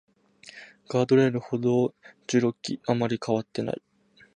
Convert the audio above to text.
ガードレール、歩道、街路樹、あまり変わっていない